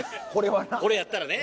これやったらね。